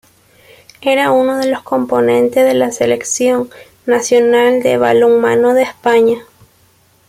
Era uno de los componentes de la selección nacional de balonmano de España.